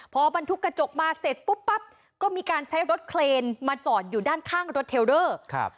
พอบรรทุกกระจกมาเสร็จปุ๊บปั๊บก็มีการใช้รถเคลนมาจอดอยู่ด้านข้างรถเทลเดอร์ครับ